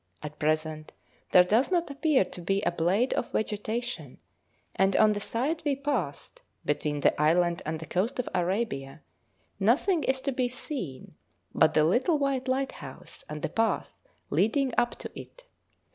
At present there does not appear to be a blade of vegetation, and on the side we passed, between the island and the coast of Arabia, nothing is to be seen but the little white lighthouse and the path leading up to it.